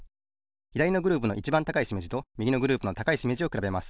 ひだりのグループのいちばん高いしめじとみぎのグループの高いしめじをくらべます。